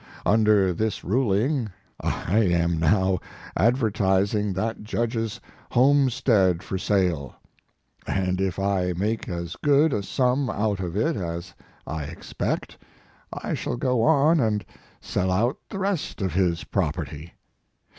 Under this ruling I am now ad vertising that judge s homestead for sale, and if I make as good a sum out of it as I expect, I shall go on and sell out the rest of his property.